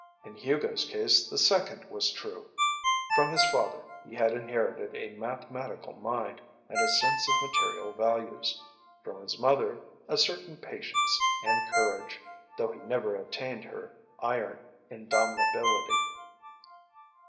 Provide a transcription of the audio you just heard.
In Hugo's case the second was true. From his father he had inherited a mathematical mind and a sense of material values. From his mother, a certain patience and courage, though he never attained her iron indomitability.